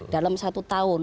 dalam satu tahun